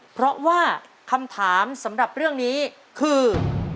เพราะว่าคำถามสำหรับเรื่องนี้คือ